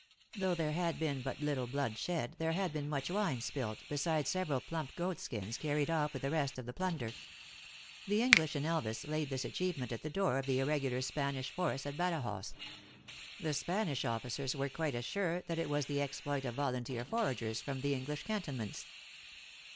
Though there had been but little blood shed, there had been much wine spilt, besides several plump goat skins carried off with the rest of the plunder. The English in Elvas laid this achievement at the door of the irregular Spanish force at Badajoz. The Spanish officers were quite as sure that it was the exploit of volunteer foragers from the English cantonments.